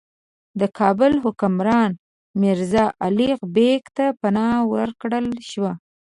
د کابل حکمران میرزا الغ بېګ ته پناه ورکړل شوه.